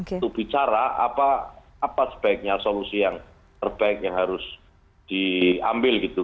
untuk bicara apa sebaiknya solusi yang terbaik yang harus diambil gitu